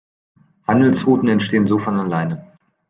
Handelsrouten entstehen so von alleine.